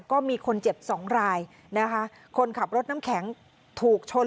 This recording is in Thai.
ก็มีคนเจ็บสองรายนะคะคนขับรถน้ำแข็งถูกชน